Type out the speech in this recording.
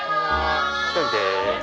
１人です。